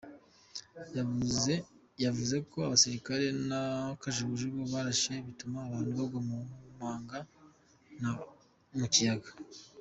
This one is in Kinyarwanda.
Yavuze ko abasirikare na kajugujugu barashe bituma abantu bagwa mu manga no mu kiyaga.